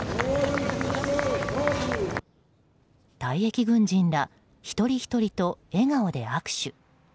退役軍人ら一人ひとりと笑顔で握手。